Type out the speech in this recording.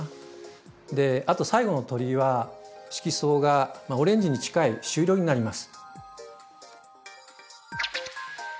であと最後の鳥居は色相がオレンジに近い朱色になります。